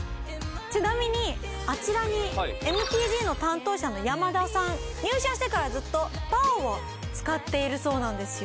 ちなみにあちらにＭＴＧの担当者の山田さん入社してからずっとＰＡＯを使っているそうなんですよ